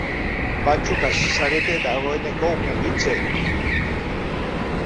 Batzuk hasi zarete dagoeneko mugitzen!